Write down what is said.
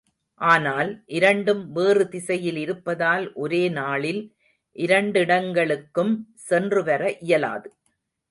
ஆனால், இரண்டும் வேறு திசையில் இருப்பதால் ஒரே நாளில் இரண்டிடங்களுக்கும் சென்று வர இயலாது.